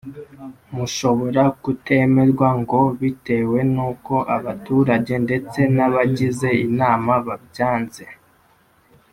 Mushobora kutemerwa ngo bitewe n’uko abaturage ndetse n’abagize Inama babyanze